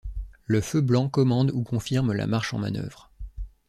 Le feu blanc commande ou confirme la marche en manœuvre.